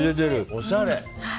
おしゃれ！